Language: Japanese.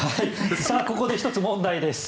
ここで１つ問題です。